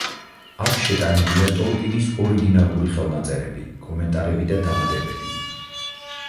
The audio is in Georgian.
აქ შეტანილია ტოლკინის ორიგინალური ხელნაწერები, კომენტარები და დამატებები.